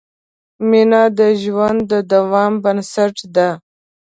مینه د ژوند د دوام بنسټ ده.